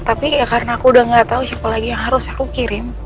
tapi ya karena aku udah gak tau siapa lagi yang harus aku kirim